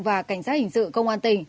và cảnh sát hình sự công an tỉnh